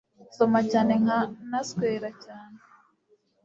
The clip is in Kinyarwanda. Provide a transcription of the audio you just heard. nsoma cyane nka na nswera cyane